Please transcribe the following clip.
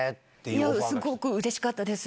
いや、すごくうれしかったです。